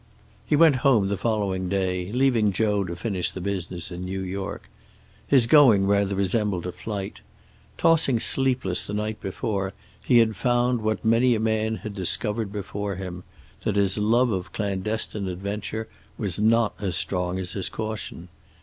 He went home the following day, leaving Joe to finish the business in New York. His going rather resembled a flight. Tossing sleepless the night before, he had found what many a man had discovered before him, that his love of clandestine adventure was not as strong as his caution.